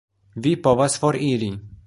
Vi povas foriri.